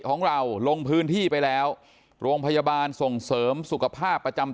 ของเราลงพื้นที่ไปแล้วโรงพยาบาลส่งเสริมสุขภาพประจำ